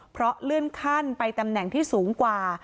เพราะเลื่อนขั้นไปตำแหน่งที่สูงกว่า